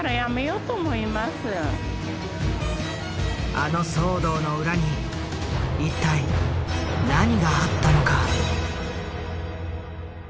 あの騒動の裏に一体何があったのか？